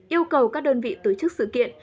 yêu cầu các đơn vị tổ chức sự kiện